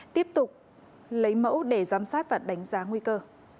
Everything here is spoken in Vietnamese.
tiếp tục lấy mẫu để giám sát và đánh giá nguy cơ